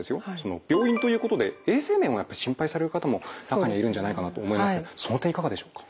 病院ということで衛生面をやっぱり心配される方も中にはいるんじゃないかなと思いますけどその点いかがでしょうか？